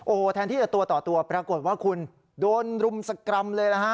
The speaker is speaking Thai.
โอ้โหแทนที่จะตัวต่อตัวปรากฏว่าคุณโดนรุมสกรรมเลยนะฮะ